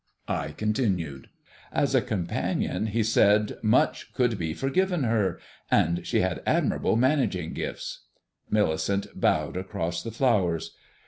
I continued: "As a companion, he said, much could be forgiven her. And she had admirable managing gifts." Millicent bowed across the flowers.